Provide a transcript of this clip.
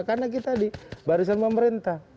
karena kita di barisan pemerintah